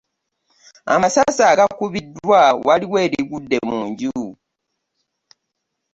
Amasasi agakubiddwa waliwo erigudde mu nju.